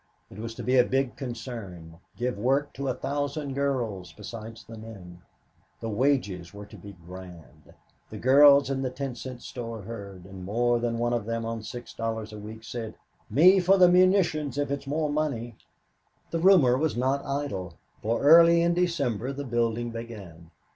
It was to be a big concern, give work to a thousand girls besides the men. The wages were to be "grand," the girls in the ten cent store heard, and more than one of them on six dollars a week said, "Me for the munitions if it's more money." The rumor was not idle, for early in December the building began.